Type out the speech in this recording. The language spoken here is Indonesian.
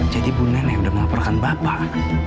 jadi ibu nenek sudah melaporkan bapak